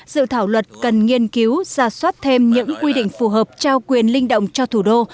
dự thảo luật cần nghiên cứu ra soát thêm những quy định phù hợp trao quyền linh động cho thủ đô